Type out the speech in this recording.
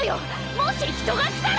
もし人が来たら。